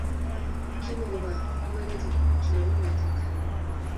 Kimuko bea imanit kilowonotok